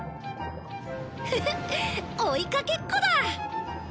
フフッ追いかけっこだ！